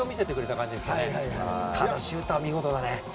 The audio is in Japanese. ただ、あのシュートは見事だ。